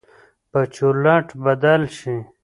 به چورلټ بدل شي.